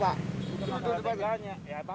bukan masalah tegangnya